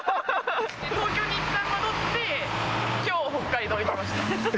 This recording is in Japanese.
東京にいったん戻って、きょう、北海道に来ました。